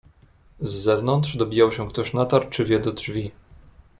"Z zewnątrz dobijał się ktoś natarczywie do drzwi."